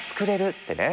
ってね。